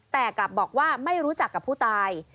แต่กลับบอกว่าไม่รู้จักกับผู้ตาย